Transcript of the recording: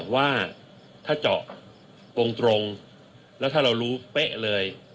ว่าถ้าเจาะตรงแล้วถ้าเรารู้เป๊ะเลย